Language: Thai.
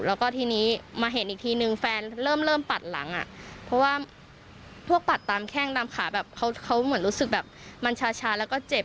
แล้วก็ทีนี้มาเห็นอีกทีนึงแฟนเริ่มปัดหลังอ่ะเพราะว่าพวกปัดตามแข้งตามขาแบบเขาเหมือนรู้สึกแบบมันชาแล้วก็เจ็บ